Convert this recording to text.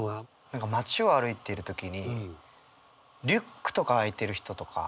何か街を歩いてる時にリュックとか開いてる人とか。